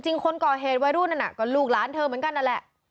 คนก่อเหตุวัยรุ่นนั่นน่ะก็ลูกหลานเธอเหมือนกันนั่นแหละ